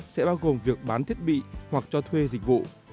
sẽ bao gồm việc bán thiết bị hoặc cho thuê dịch vụ